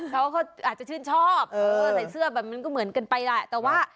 เขาก็อาจจะชื่นชอบเพราะว่าใส่เสื้อมันก็เหมือนกันไปล่ะ